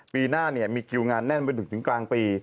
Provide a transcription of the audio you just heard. ปีหน้ามีคิวงานแน่นไปถึงกลางปี